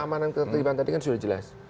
keamanan ketertiban tadi kan sudah jelas